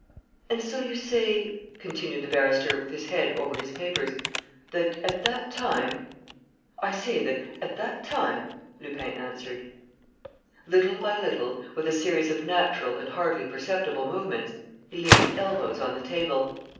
"And so you say," continued the barrister, with his head over his papers, "that, at that time ..." "I say that, at that time ..." Lupin answered. Little by little, with a series of natural and hardly perceptible movements, he leant elbows on the table.